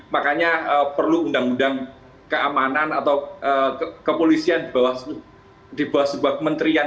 makanya perlu undang undang keamanan atau kepolisian di bawah sebuah kementerian